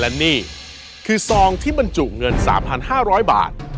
และนี่คือซองที่บรรจุเงิน๓๕๐๐บาท